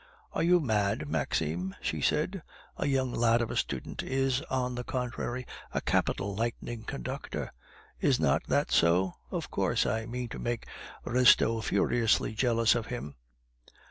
"Are you mad, Maxime?" she said. "A young lad of a student is, on the contrary, a capital lightning conductor; is not that so? Of course, I mean to make Restaud furiously jealous of him."